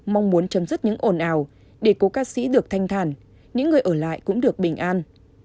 mong muốn chấm dứt những ồn ào để cố ca sĩ được thanh thản những người ở lại cũng được bình an